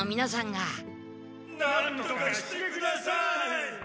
なんとかしてください。